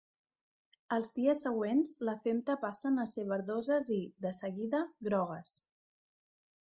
Els dies següents la femta passen a ser verdoses i, de seguida, grogues.